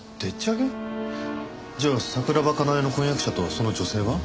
じゃあ桜庭かなえの婚約者とその女性は？